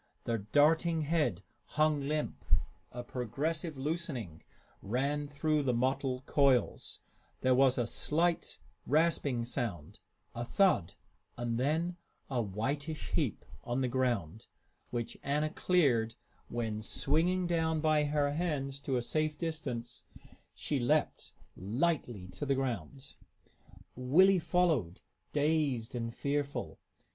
The darting head hung limp; a progressive loosening ran through the mottled coils; there was a slight rasping sound, a thud, and then a whitish heap on the ground, which Anna cleared when, swinging down by her hands to a safe distance, she leaped lightly to the ground. Willie followed, dazed and fearful.